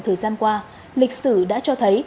thời gian qua lịch sử đã cho thấy